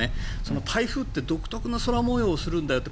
台風って独特の空模様をするんだよって。